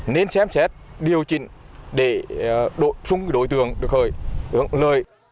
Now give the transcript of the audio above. nên chém chét điều chỉnh để đối tượng được hưởng lời